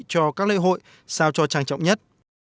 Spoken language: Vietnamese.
cho các lễ hội sao cho trang trọng nhất